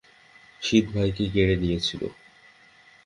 শীত ভাইকে কেড়ে নিয়েছিল।